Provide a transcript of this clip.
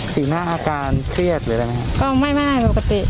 สิหน้าการเครียดหรืออะไรนะครับก็ไม่ปกติ